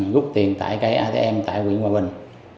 rút tiền tại cái atm tại quyển hòa bình